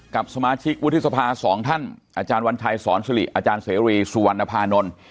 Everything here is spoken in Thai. กับสมาชิกวุฒิษภาสองท่านอวัญชายอสลีอเสรีสุวรรณภานนท์